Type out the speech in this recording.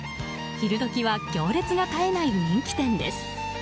昼時は行列が絶えない人気店です。